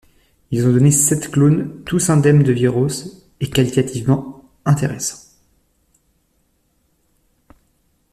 Ils ont donné sept clones tous indemnes de viroses et qualitativement intéressants.